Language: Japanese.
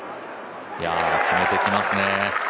決めてきますね。